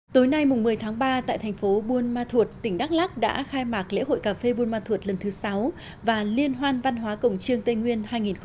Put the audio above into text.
tối nay một mươi tháng ba tại thành phố buôn ma thuột tỉnh đắk lắc đã khai mạc lễ hội cà phê buôn ma thuột lần thứ sáu và liên hoan văn hóa cổng trương tây nguyên hai nghìn hai mươi